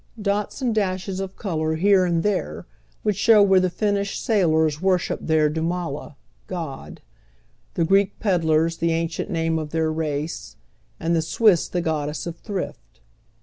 Dots and dashes of color here and tliere would show where the Finnish sailoi's worship tiieir djn iriaia (God), the Greek pediars the ancient name of their race, and the Swiss the goddess o£ thrift.